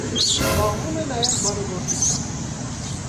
Զբաղվում է նաև բարեգործությամբ։